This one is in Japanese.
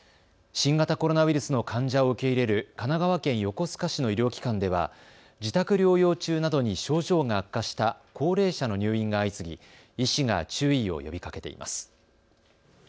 新型コロナウイルスの患者を受け入れる神奈川県横須賀市の医療機関では自宅療養中などに症状が悪化した高齢者の入院が相次ぎ医師が注意を呼びかけています。